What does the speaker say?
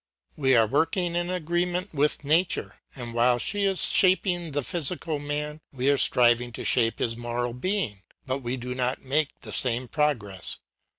We are working in agreement with nature, and while she is shaping the physical man, we are striving to shape his moral being, but we do not make the same progress.